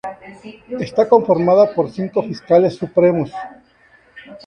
Esta conformada por cinco fiscales supremos.